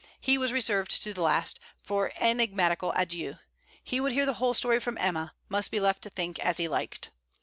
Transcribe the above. He was reserved to the last, for very enigmatical adieux: he would hear the whole story from Emma; must be left to think as he liked.